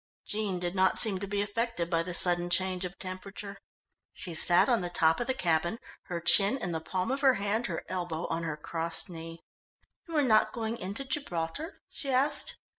Jean did not seem to be affected by the sudden change of temperature. She sat on the top of the cabin, her chin in the palm of her hand, her elbow on her crossed knee. "You are not going into Gibraltar?" she asked.